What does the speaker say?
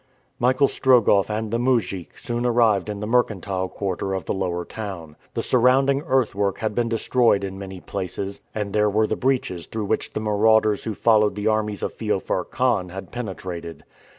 Michael Strogoff and the mujik soon arrived in the mercantile quarter of the lower town. The surrounding earthwork had been destroyed in many places, and there were the breaches through which the marauders who followed the armies of Feofar Khan had penetrated.